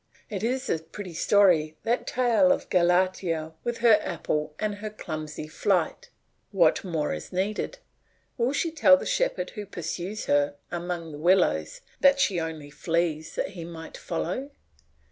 It is a pretty story that tale of Galatea with her apple and her clumsy flight. What more is needed? Will she tell the shepherd who pursues her among the willows that she only flees that he may follow?